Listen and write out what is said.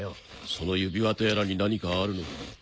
その指輪とやらに何かあるのか？